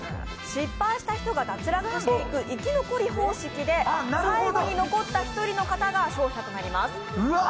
失敗した人が脱落していく生き残り方式で、最後に残った１人の方が勝者となります。